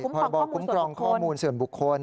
พรบคุ้มครองข้อมูลส่วนบุคคล